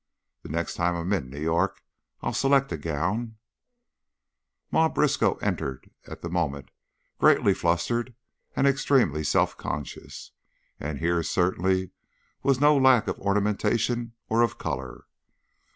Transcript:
The next time I'm in New York I'll select a gown " Ma Briskow entered at the moment, greatly flustered and extremely self conscious, and here, certainly, was no lack of ornamentation or of color.